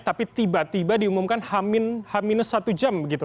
tapi tiba tiba diumumkan h satu jam begitu